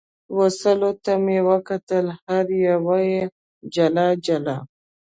وسلو ته مې کتل، هره یوه یې جلا جلا.